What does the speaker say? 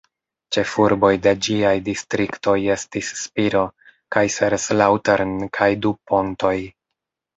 Ĉefurboj de ĝiaj distriktoj estis Spiro, Kaiserslautern kaj Du-Pontoj.